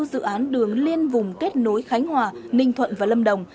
dự án đường liên vùng kết nối khánh hòa ninh thuận và lâm đồng